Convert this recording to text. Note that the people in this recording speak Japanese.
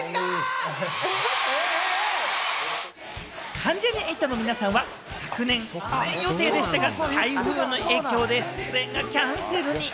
関ジャニ∞の皆さんは昨年出演する予定でしたが、台風の影響で出演がキャンセルに。